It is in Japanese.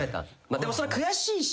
でもそれは悔しいし。